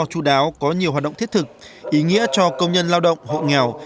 chú đáo có nhiều hoạt động thiết thực ý nghĩa cho công nhân lao động hộ nghèo